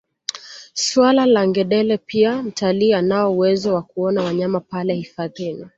Swala na ngedele pia mtalii anao uwezo wa kuona wanyama pale hifadhini